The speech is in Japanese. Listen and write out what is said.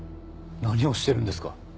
何をしてるんですか？